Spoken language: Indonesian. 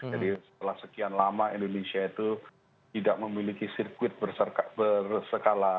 jadi setelah sekian lama indonesia itu tidak memiliki sirkuit berskala